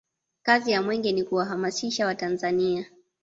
kazi ya mwenge ni kuwahamasisha watanzania